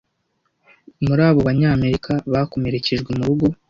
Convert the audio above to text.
Muri abo Abanyamerika bakomerekejwe murugo